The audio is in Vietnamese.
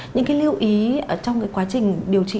những lưu ý trong quá trình điều trị